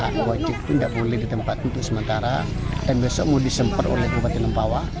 tidak boleh ditempatkan untuk sementara dan besok mau disempat oleh bukati lempawa